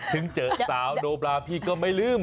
ถึงเจอสาวโนบราพี่ก็ไม่ลืม